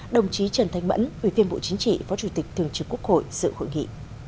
đồng chí trần thanh mẫn ủy viên bộ chính trị phó chủ tịch thường trực quốc hội sự hội nghị